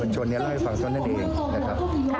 เป็นขวัญกำลังใจอะไรอย่างนี้ด้วยไหมคะ